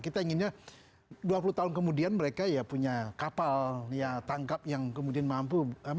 kita inginnya dua puluh tahun kemudian mereka ya punya kapal ya tangkap yang kemudian mampu